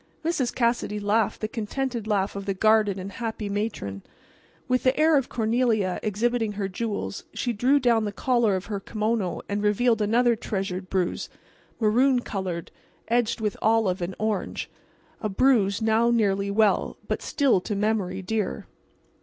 Mrs. Cassidy laughed the contented laugh of the guarded and happy matron. With the air of Cornelia exhibiting her jewels, she drew down the collar of her kimono and revealed another treasured bruise, maroon colored, edged with olive and orange—a bruise now nearly well, but still to memory dear.